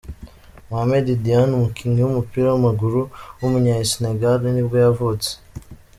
Mohamed Diamé, umukinnyi w’umupira w’amaguru w’umunyasenegal nibwo yavutse.